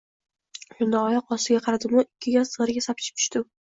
Shunda oyoq ostiga qaradim-u, ikki gaz nariga sapchib tushdim!